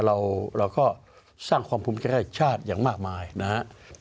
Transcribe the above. เราก็สร้างความภูมิใจให้ชาติอย่างมากมายนะครับ